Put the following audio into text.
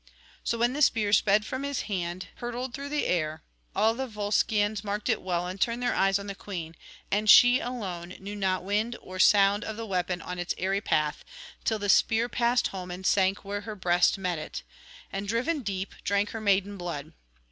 So, when the spear sped from his hand hurtled through the air, all the Volscians marked it well and turned their eyes on the queen; and she alone knew not wind or sound of the weapon on its aery path, till the spear passed home and sank where her breast met it, and, driven deep, drank her maiden blood.